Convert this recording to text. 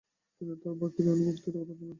তিনি তাঁর বাকেরিয়ান বক্তৃতা প্রদান করেন।